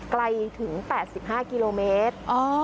ไกลถึง๘๕กิโลเมตร